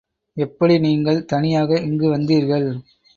எப்படி நீங்கள் தனியாக இங்கு வந்தீர்கள்?